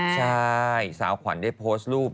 ใช่สาวขวัญได้โพสต์รูป